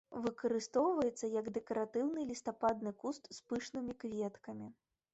Выкарыстоўваецца, як дэкаратыўны лістападны куст з пышнымі кветкамі.